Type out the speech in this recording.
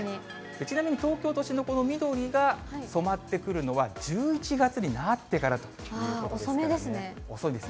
ちなみに東京都心のこの緑が染まってくるのは、１１月になっ遅めですね。